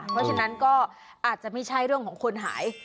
เพราะฉะนั้นก็อาจจะไม่ใช่เรื่องของคนหาย